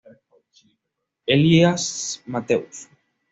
Elías Matheus.